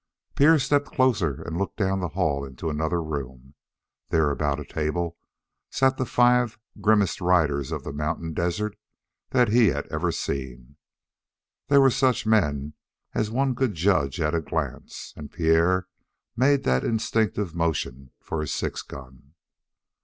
Pierre stepped closer and looked down the hall into another room. There, about a table, sat the five grimmest riders of the mountain desert that he had ever seen. They were such men as one could judge at a glance, and Pierre made that instinctive motion for his six gun.